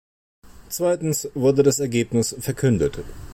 Zweitens wurde das Ergebnis verkündet.